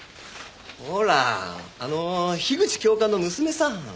ほらあの樋口教官の娘さん。